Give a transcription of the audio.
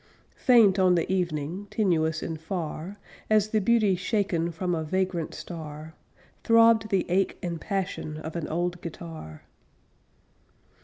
Faint on the evening Tenuous and far As the beauty shaken From a vagrant star, Throbbed the ache and passion Of an old guitar.